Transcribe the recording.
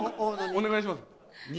お願いします。